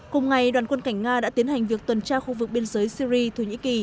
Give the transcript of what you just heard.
cùng ngày đoàn quân cảnh nga đã tiến hành việc tuần tra khu vực biên giới syri thổ nhĩ kỳ